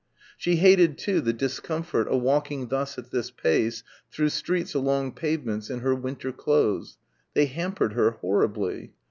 She hated, too, the discomfort of walking thus at this pace through streets along pavements in her winter clothes. They hampered her horribly.